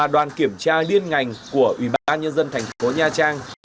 đoàn kiểm tra liên ngành của ủy ban nhân dân thành phố nha trang